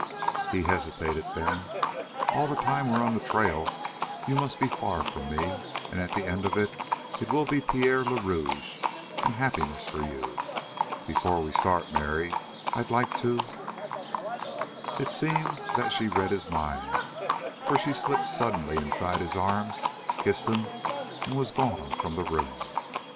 He hesitated, then: "All the time we're on the trail you must be far from me, and at the end of it will be Pierre le Rouge and happiness for you. Before we start, Mary, I'd like to " It seemed that she read his mind, for she slipped suddenly inside his arms, kissed him, and was gone from the room.